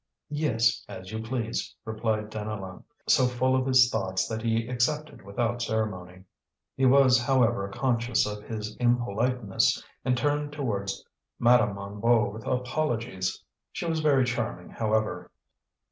"Yes, as you please," replied Deneulin, so full of his thoughts that he accepted without ceremony. He was, however, conscious of his impoliteness and turned towards Madame Hennebeau with apologies. She was very charming, however.